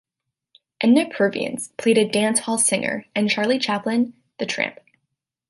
Edna Purviance plays a dance hall singer and Charlie Chaplin, The Tramp.